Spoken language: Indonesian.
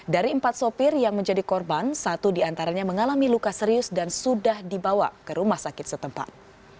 dari empat sopir yang menjadi korban satu diantaranya mengalami luka serius dan sudah dibawa ke rumah sakit setempat